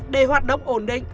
để hoạt động ổn định